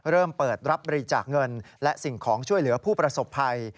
เริ่มเปิดรับบริจาคเงินและสิ่งของช่วยเหลือผู้ประสบภัย